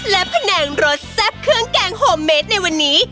และแผนงรสแซ่บเครื่องแกงโฮมเมดในวันนี้